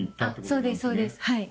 そうですそうです。